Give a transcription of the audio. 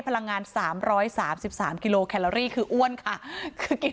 พลังงานสามร้อยสามสิบสามกิโลแคลอรี่คืออ้วนค่ะคือกิน